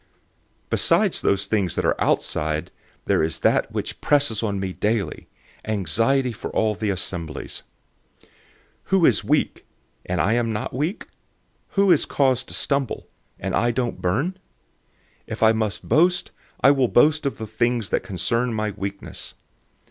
011:028 Besides those things that are outside, there is that which presses on me daily, anxiety for all the assemblies. 011:029 Who is weak, and I am not weak? Who is caused to stumble, and I don't burn with indignation? 011:030 If I must boast, I will boast of the things that concern my weakness.